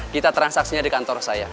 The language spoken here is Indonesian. kita transaksinya di kantor saya